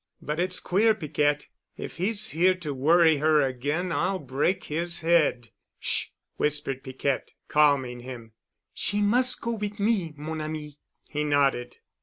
"But it's queer, Piquette. If he's here to worry her again I'll break his head." "Sh——," whispered Piquette, calming him. "She mus' go wit' me, mon ami." He nodded.